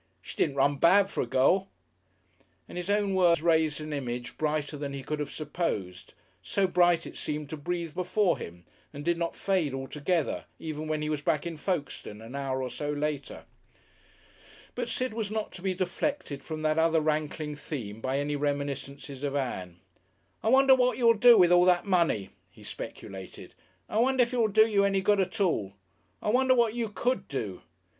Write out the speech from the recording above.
She didn't run bad for a girl." And his own words raised an image brighter than he could have supposed, so bright it seemed to breathe before him and did not fade altogether, even when he was back in Folkestone an hour or so later. But Sid was not to be deflected from that other rankling theme by any reminiscences of Ann. "I wonder what you will do with all that money," he speculated. "I wonder if you will do any good at all. I wonder what you could do.